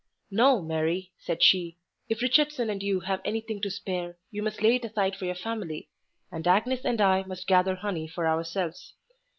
"No, Mary," said she, "if Richardson and you have anything to spare, you must lay it aside for your family; and Agnes and I must gather honey for ourselves.